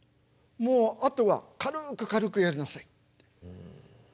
もうあとは軽く軽くやりなさいって。